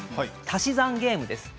足し算のゲームです。